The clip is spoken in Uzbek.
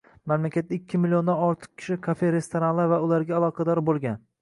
Mamlakatda ikki milliondan ortiq kishi kafe-restoranlar va ularga aloqador boʻlgan